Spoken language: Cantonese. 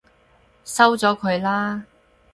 收咗佢啦！